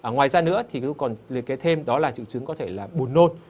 ngoài ra nữa thì tôi còn liên kế thêm đó là triệu chứng có thể là buồn nôn